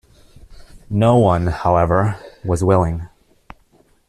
No one, however, was willing.